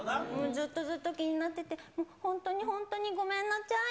ずっとずっと気になってて、もう本当に本当にごめんなちゃい。